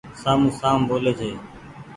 سامون سام ٻولي ڇي ۔